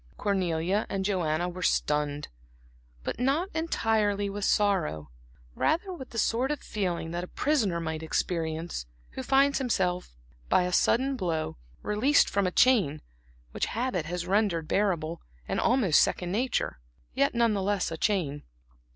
Cornelia and Joanna were stunned, but not entirely with sorrow; rather with the sort of feeling that a prisoner might experience, who finds himself by a sudden blow, released from a chain which habit has rendered bearable, and almost second nature, yet none the less a chain.